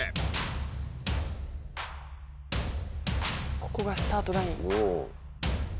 ここがスタートライン。